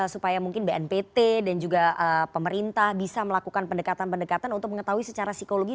supaya mungkin bnpt dan juga pemerintah bisa melakukan pendekatan pendekatan untuk mengetahui secara psikologi